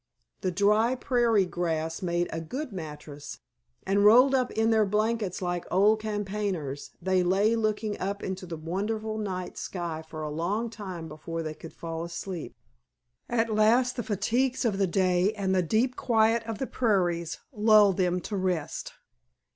The dry prairie grass made a good mattress, and rolled up in their blankets like old campaigners they lay looking up into the wonderful night sky for a long time before they could fall asleep. At last the fatigues of the day and the deep quiet of the prairies lulled them to rest.